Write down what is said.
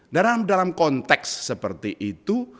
dan dalam konteks seperti itu